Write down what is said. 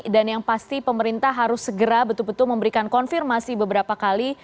dan yang pasti pemerintah harus segera betul betul memberikan konfirmasi beberapa kali